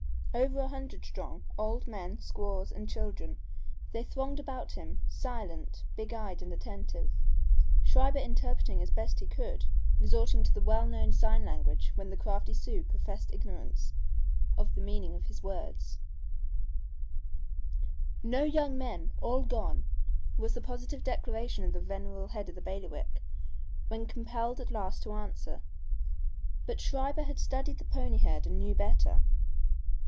Over a hundred strong, old men, squaws and children, they thronged about him, silent, big eyed and attentive, Schreiber interpreting as best he could, resorting to the well known sign language when the crafty Sioux professed ignorance of the meaning of his words: "No young men. All gone," was the positive declaration of the venerable head of the bailiwick, when compelled at last to answer. But Schreiber had studied the pony herd and knew better.